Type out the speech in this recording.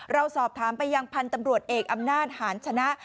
เราสอบถามไปยังพันธุ์ตำรวจเอกอำนาจหาญชนะ